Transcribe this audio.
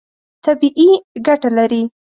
طبیعي ګټه لري.